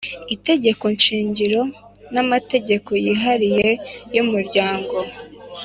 itegeko shingiro namategeko yihariye yumuryango